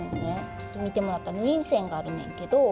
ちょっと見てもらったら縫い線があるねんけど。